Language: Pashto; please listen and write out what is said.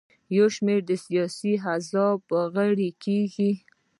یو شمېر د سیاسي حزب غړي کیږي.